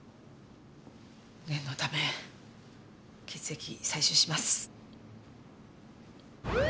念のため血液採取します。